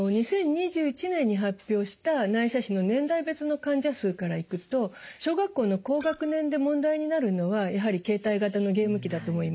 ２０２１年に発表した内斜視の年代別の患者数からいくと小学校の高学年で問題になるのはやはり携帯型のゲーム機だと思います。